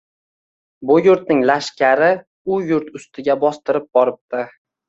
Bu yurtning lashkari u yurt ustiga bostirib boribdi.